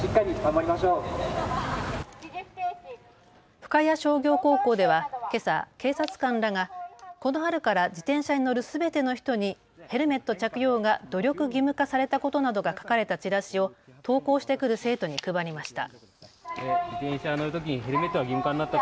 深谷商業高校ではけさ警察官らがこの春から自転車に乗るすべての人にヘルメット着用が努力義務化されたことなどが書かれたチラシを登校してくる生徒に配りました。